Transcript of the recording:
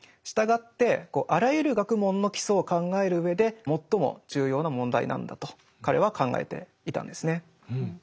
従ってあらゆる学問の基礎を考える上で最も重要な問題なんだと彼は考えていたんですね。